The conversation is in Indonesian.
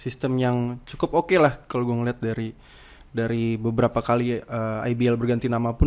sistem yang cukup oke lah kalau gue ngeliat dari beberapa kali ibl berganti nama pun